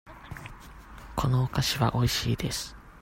このお菓子はおいしいです。